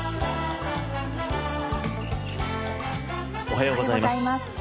おはようございます。